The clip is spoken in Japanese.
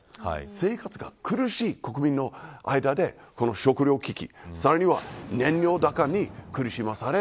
生活が苦しい国民の間でこの食糧危機、さらには燃料高に苦しまされ